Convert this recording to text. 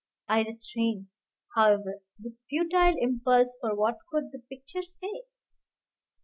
I restrained, however, this futile impulse, for what could the picture say?